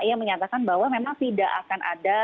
ia menyatakan bahwa memang tidak akan ada